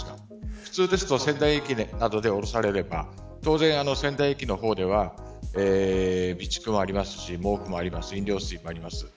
普通ですと仙台駅などで降ろされれば当然、仙台駅の方では備蓄はありますし毛布もありますし飲料水もあります。